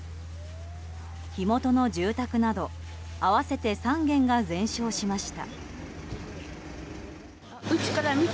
火元の住宅など合わせて３軒が全焼しました。